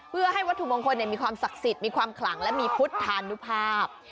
เพื่อให้วัตถุมงคลมีความศักดิ์สิทธิ์มีความขลังและมีพุทธานุภาพ